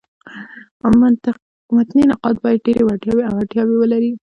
متني نقاد باید ډېري وړتیاوي او اړتیاوي ولري.